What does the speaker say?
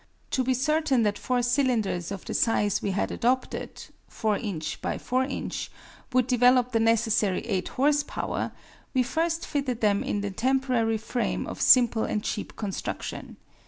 To be certain that four cylinders of the size we had adopted (4" x 4") would develop the necessary 8 horse power, we first fitted them in a temporary frame of simple and cheap construction.